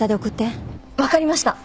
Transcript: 分かりました！